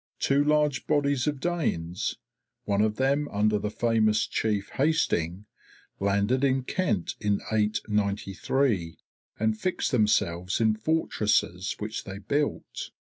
Two large bodies of Danes, one of them under the famous chief Hasting, landed in Kent in 893 and fixed themselves in fortresses which they built.